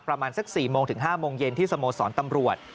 ประมาณสัก๔โมงถึง๕โมงเย็นที่สโมสรตำรวจ